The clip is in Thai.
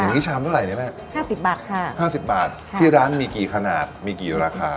อันนี้ชามเท่าไหร่เนี่ยแม่ห้าสิบบาทค่ะ๕๐บาทที่ร้านมีกี่ขนาดมีกี่ราคา